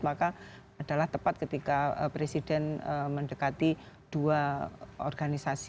maka adalah tepat ketika presiden mendekati dua organisasi